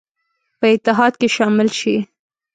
په اتحاد کې شامل شي.